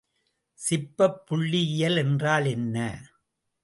சிப்பப் புள்ளி இயல் என்றால் என்ன?